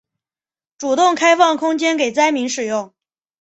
主动开放空间给灾民使用